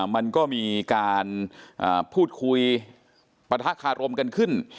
มันก็มีการพูดคุยปะทะคารมกันขึ้น